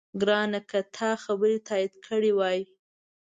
ګرانه! که تا خبرې تایید کړې وای،